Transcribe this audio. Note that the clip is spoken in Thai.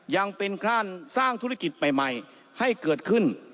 ยังเป็นการสร้างธุรกิจใหม่ให้เกิดขึ้น